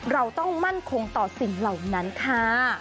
เราต้องมั่นคงต่อสิ่งเหล่านั้นค่ะ